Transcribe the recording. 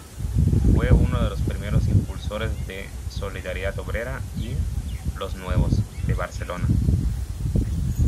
Fue uno de los primeros impulsores de "Solidaridad Obrera" y "Los Nuevos" de Barcelona.